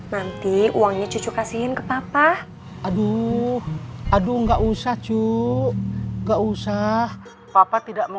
nanti uangnya cucu kasihin ke papa aduh aduh nggak usah cuk enggak usah papa tidak mau